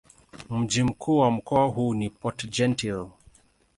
Mji mkuu wa mkoa huu ni Port-Gentil.